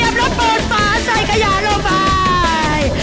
กระโปรดฟ้าใส่ขยะลงไป